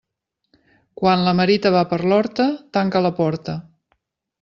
Quan la merita va per l'horta, tanca la porta.